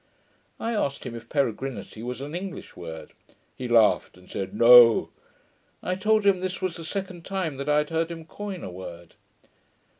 I asked him if peregrinity was an English word: he laughed, and said, 'No.' I told him this was the second time that I had heard him coin a word.